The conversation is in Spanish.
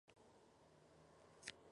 Está ahora en proceso de reforestación.